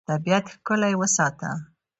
طبیعت ښکلی وساته.